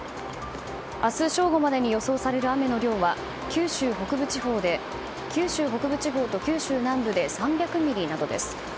明日正午までに予想される雨の量は九州北部地方と九州南部で３００ミリなどです。